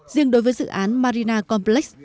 riêng đối với dự án marina complex